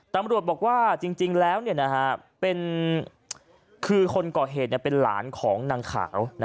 ตำรวจบอกว่าจริงจริงแล้วเนี่ยนะฮะเป็นคือคนก่อเหตุเนี่ยเป็นหลานของนางขาวนะ